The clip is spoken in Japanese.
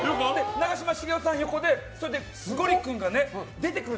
長嶋茂雄さんが横でそれでゴリ君が出てくる